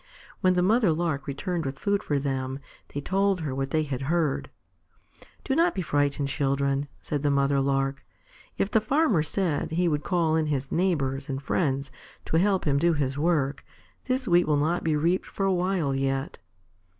When the Mother Lark returned with food for them, they told her what they had heard. "Do not be frightened, children," said the Mother Lark. "If the Farmer said he would call in his neighbors and friends to help him do his work, this wheat will not be reaped for a while yet."